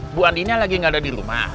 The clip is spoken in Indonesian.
ibu andinya lagi nggak ada di rumah